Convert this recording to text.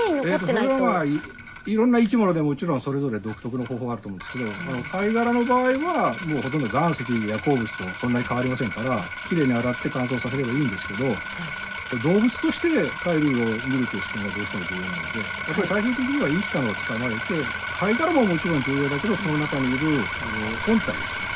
それはまあいろんな生きものでもちろんそれぞれ独特の方法があると思うんですけど貝殻の場合は岩石や鉱物とそんなに変わりませんからきれいに洗って乾燥させればいいんですけど動物として貝類を見るという視点がどうしても重要なのでやっぱり最終的には生きたのを捕まえて貝殻ももちろん重要だけどその中にいる本体ですよね。